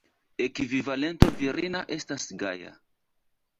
Ekvivalento virina estas Gaja.